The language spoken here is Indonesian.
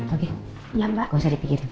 oke gak usah dipikirin